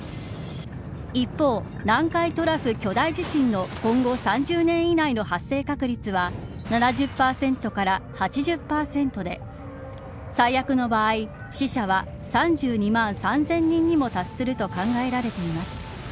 一方、南海トラフ巨大地震の今後３０年以内の発生確率は７０％から８０％で最悪の場合死者は３２万３０００人にも達すると考えられています。